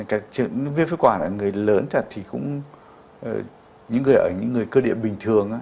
viêm phế quản là người lớn thật thì cũng những người ở những người cơ địa bình thường